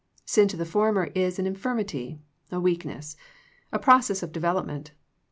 Sin to the former is an in firmity, a weakness, a process of development.